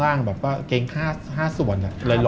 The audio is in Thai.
กางเกงห้าส่วน